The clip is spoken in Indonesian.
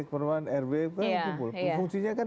pertemuan rw fungsinya kan